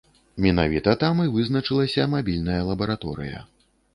Менавіта там і вызначылася мабільная лабараторыя.